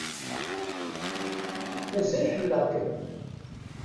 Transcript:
Mazal ḥemmleɣ-kem.